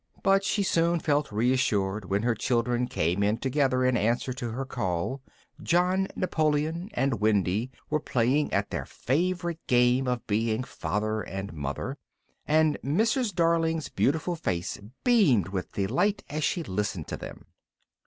But she soon felt reassured when her children came in together in answer to her call. John Napoleon and Wendy were playing at their favourite game of being Father and Mother, and Mrs. Darling's beautiful face beamed with delight as she listened to them.